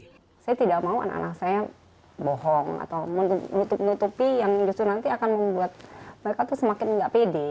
saya tidak mau anak anak saya bohong atau menutup nutupi yang justru nanti akan membuat mereka tuh semakin nggak pede